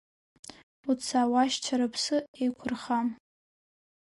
Уца, уашьцәа рыԥсы еиқәырха.